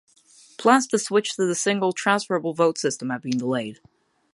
Plans to switch to the single transferable vote system have been delayed.